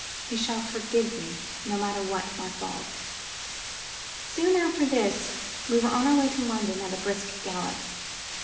He shall forgive me, no matter what my fault." Soon after this we were on our way to London at a brisk gallop.